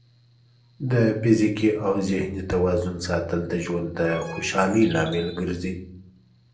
د فزیکي او ذهني توازن ساتل د ژوند د خوشحالۍ لامل ګرځي.